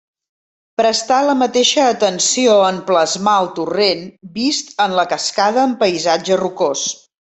Prestà la mateixa atenció en plasmar el torrent vist en la Cascada en paisatge rocós.